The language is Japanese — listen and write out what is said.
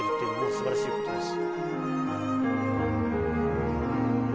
素晴らしいことだし。